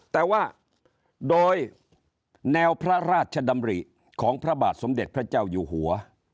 แต่ว่าโดยแนวพระราชดำริของพระบาทสมเด็จพระเจ้าอยู่หัว